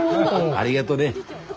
ありがどね。